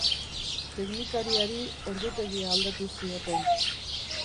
Teknikariari ordutegia aldatu zioten.